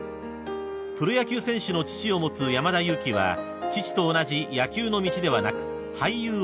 ［プロ野球選手の父を持つ山田裕貴は父と同じ野球の道ではなく俳優を志す］